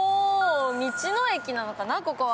道の駅なのかな、ここは。